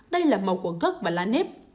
đây là màu của gốc và lá nếp